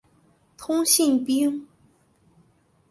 通信兵。